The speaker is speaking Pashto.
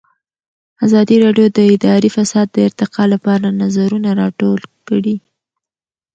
ازادي راډیو د اداري فساد د ارتقا لپاره نظرونه راټول کړي.